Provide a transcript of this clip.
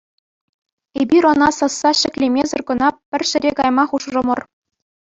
Эпир ӑна сасса ҫӗклемесӗр кӑна пӗр ҫӗре кайма хушрӑмӑр.